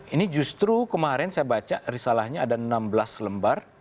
ini justru kemarin saya baca risalahnya ada enam belas lembar